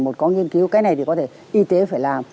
một có nghiên cứu cái này thì có thể y tế phải làm